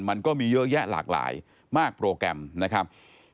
มันก็มีเยอะแยะมากมายมากโปรแกรมนะครับ